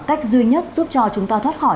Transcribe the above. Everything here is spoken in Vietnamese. cách duy nhất giúp cho chúng ta thoát khỏi